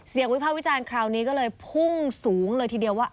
วิภาควิจารณ์คราวนี้ก็เลยพุ่งสูงเลยทีเดียวว่า